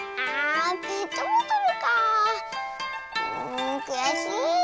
んくやしい。